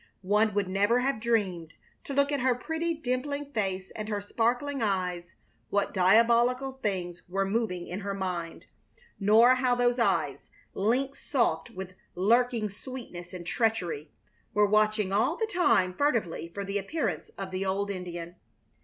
One would never have dreamed, to look at her pretty dimpling face and her sparkling eyes, what diabolical things were moving in her mind, nor how those eyes, lynx soft with lurking sweetness and treachery, were watching all the time furtively for the appearance of the old Indian.